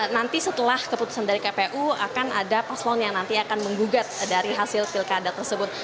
nanti setelah keputusan dari kpu akan ada paslon yang nanti akan menggugat dari hasil pilkada tersebut